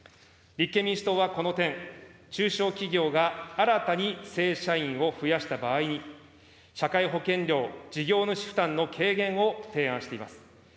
立憲民主党はこの点、中小企業が新たに正社員を増やした場合に、社会保険料事業主負担の軽減を提案しています。